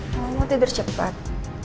kamu mau tidur cepat